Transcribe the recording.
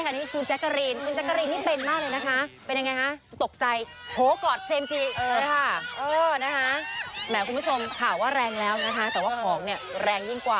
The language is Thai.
หัวทองโครเนี่ยใครไม่เป็นใครเขาม่ายเขาหรือเปล่า